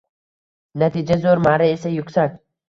Natija zo‘r, marra esa yuksak